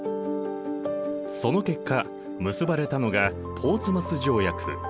その結果結ばれたのがポーツマス条約。